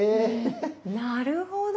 なるほど。